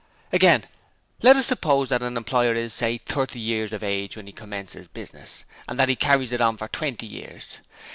'Again, let us suppose that an employer is, say, thirty years of age when he commences business, and that he carries it on for twenty years.